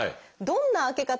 どんな開け方？